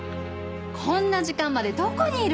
こんな時間までどこにいるの？